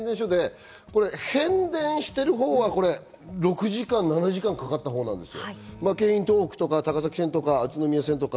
変電してるほうは６時間、７時間かかったんですよ。